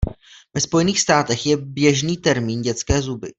Ve Spojených státech je běžný termín „dětské zuby“.